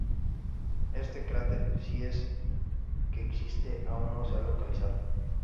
Este cráter, si es que existe, aún no se ha localizado.